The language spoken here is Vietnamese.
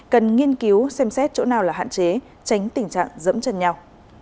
cần nghiên cứu xem xét chỗ nào là hạn chế tránh tình trạng dẫm chân nhau